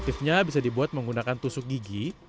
motifnya bisa dibuat menggunakan tusuk gigi